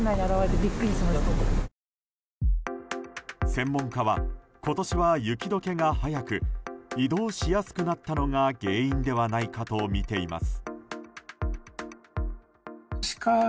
専門家は、今年は雪解けが早く移動しやすくなったのが原因ではないかとみています。